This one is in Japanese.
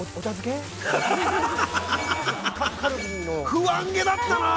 ◆不安げだったなあ。